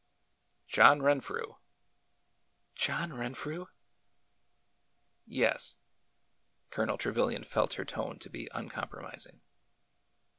" John Renfrew." ''John Renfrew!'' " Yes." Colonel Trevilian felt her tone to be uncom promising.